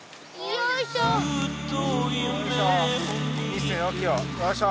よいしょ。